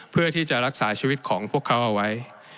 เพื่อที่จะรักษาชีวิตของพวกเขาเอาไว้